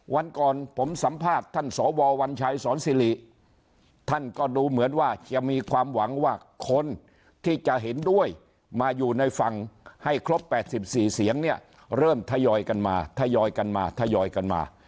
วันก่อนผมสัมภาษณ์ท่านสววัญชัยสอนสิริท่านก็ดูเหมือนว่าจะมีความหวังว่าคนที่จะเห็นด้วยมาอยู่ในฝั่งให้ครบ๘๔เสียงเนี่ยเริ่มทยอยกันมาทยอยกันมาทยอยกันมา